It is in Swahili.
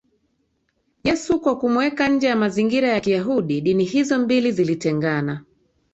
Yesu kwa kumweka nje ya mazingira ya Kiyahudi Dini hizo mbili zilitengana